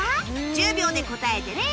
１０秒で答えてね